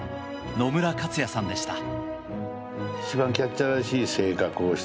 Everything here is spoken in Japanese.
・野村克也さんでした。